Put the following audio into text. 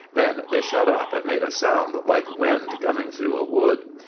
Then they shut up and made a sound like wind coming through a wood.